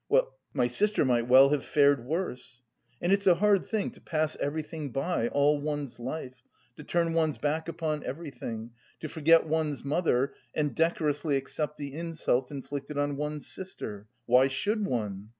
well, my sister might well have fared worse! And it's a hard thing to pass everything by all one's life, to turn one's back upon everything, to forget one's mother and decorously accept the insults inflicted on one's sister. Why should one?